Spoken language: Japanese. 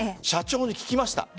社長に聞きました。